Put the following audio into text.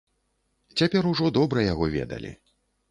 Цяпер ужо добра яго ведалі.